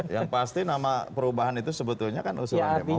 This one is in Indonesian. yang pasti nama perubahan itu sebetulnya kan usulan demokrat